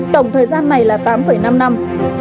tổng thời gian này là tám năm năm